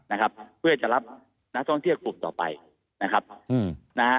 นะครับเพื่อจะรับนักท่องเที่ยวกลุ่มต่อไปนะครับอืมนะฮะ